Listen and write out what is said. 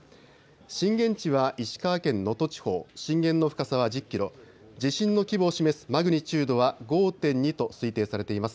震源地は石川県能登地方、震源の深さは１０キロ、地震の規模を示すマグニチュードは５．２と推定されています。